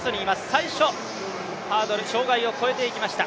最初、ハードル、障害を越えていきました。